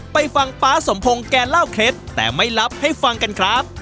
ไปฟังป๊าสมพงศ์แกเล่าเคล็ดแต่ไม่รับให้ฟังกันครับ